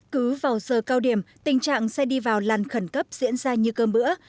cứ vào giờ cao điểm tình trạng xe đi vào làn khẩn cấp diễn ra như cơm bữa